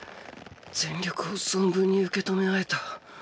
全力を存分に受け止め合えた。